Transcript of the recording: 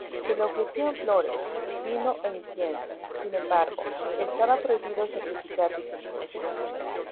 Se le ofrecían flores, vino e incienso: sin embargo, estaba prohibido sacrificar víctimas.